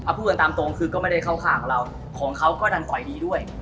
พูดกันตามตรงคือก็ไม่ได้เข้าข้างของเราของเขาก็ดันฝอยดีด้วย